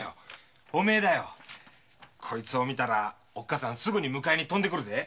こいつを見たらおっかさんすぐに迎えに飛んでくるぜ。